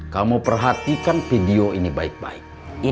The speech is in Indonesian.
kamu perhatikan video ini baik baik